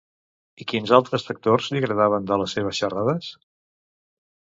Quins altres factors li agradaven de les seves xerrades?